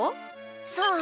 そう。